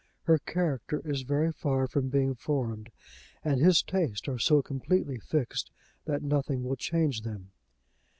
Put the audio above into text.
Her character is very far from being formed, and his tastes are so completely fixed that nothing will change them."